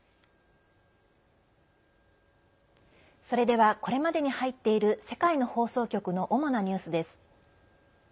それではこれまでに入っている世界の放送局の主なニュースです。